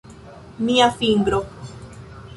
Mia fingro...